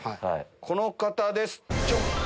この方です。